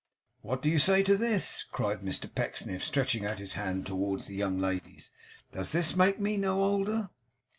'What do you say to this?' cried Mr Pecksniff, stretching out his hand towards the young ladies. 'Does this make me no older?